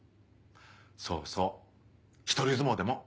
そうそう一人相撲でも。